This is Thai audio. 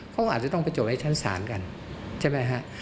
เขาก็อาจจะต้องไปจบในชั้นศาลกันใช่ไหมฮะ